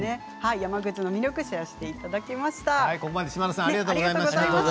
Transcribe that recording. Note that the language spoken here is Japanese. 山口の魅力をシェアしていただきました。